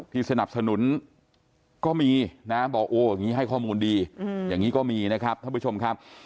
สนับสนุนก็มีนะบอกโอ้อย่างนี้ให้ข้อมูลดีอย่างนี้ก็มีนะครับท่านผู้ชมครับ